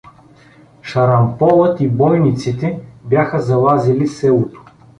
Шарамполът и бойниците бяха залазили селото.